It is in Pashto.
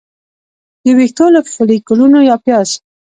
د ویښتو له فولیکونو یا پیازو